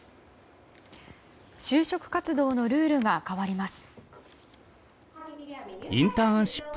就職活動のルールが変わります。